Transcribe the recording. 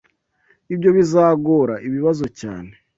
Ibyo bizagora ibibazo cyane.